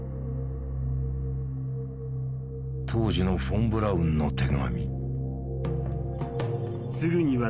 当時のフォン・ブラウンの手紙。